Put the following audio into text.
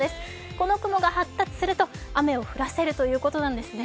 この雲が発達すると雨を降らせるということなんですね。